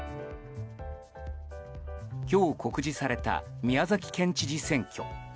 今日告示された宮崎県知事選挙。